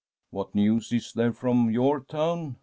* What news is there from your town